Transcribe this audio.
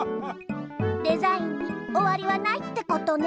デザインにおわりはないってことね。